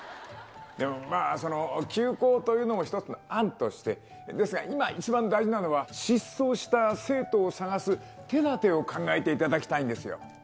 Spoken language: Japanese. でもまあ、休校というのも１つの案として、ですが今、一番大事なのは、失踪した生徒を捜す手だてを考えていただきたいんですよ。